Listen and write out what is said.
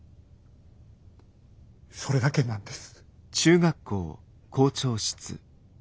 それだけなんです。